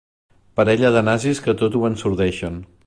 Parella de nazis que tot ho ensordeixen.